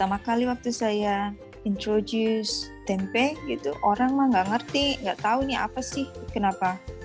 jadi pertama kali waktu saya introduce tempe gitu orang mah nggak ngerti nggak tau ini apa sih kenapa